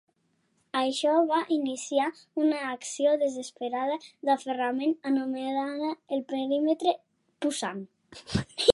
Això va iniciar una acció desesperada d'aferrament anomenada el Perímetre Pusan.